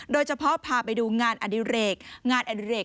โดยเฉพาะพาไปดูงานอดิเรก